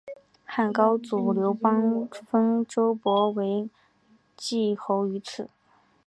汉高祖刘邦封周勃为绛侯于此。